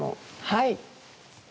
はい。